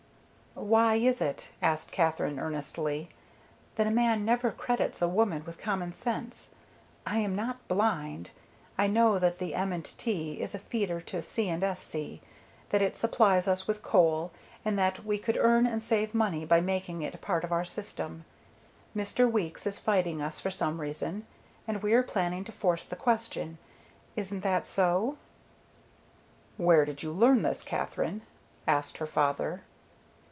"Why is it," asked Katherine, earnestly, "that a man never credits a woman with common sense? I am not blind. I know that the M. & T. is a feeder to C. & S.C., that it supplies us with coal, and that we could earn and save money by making it a part of our system. Mr. Weeks is fighting us for some reason, and we are planning to force the question. Isn't that so?" "Where did you learn this, Katherine?" asked her father.